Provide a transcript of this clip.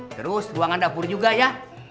terus ruangan dapur juga ya